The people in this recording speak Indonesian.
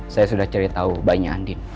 saya sudah cerita bainya andin